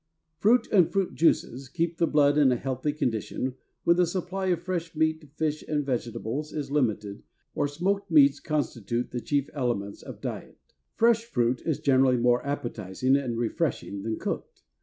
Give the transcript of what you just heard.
Fruit and fruit juices keep the blood in a healthy condition when the supply of fresh meat, fish, and vegetables is limited and salt or smoked meats constitute the chief elements of diet. Fresh fruit is generally more appetizing and refreshing than cooked.